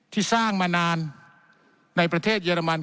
ที่สร้างมานานในประเทศเยอรมัน